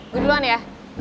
gue duluan ya